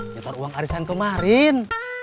nyetor uang arisan kemarin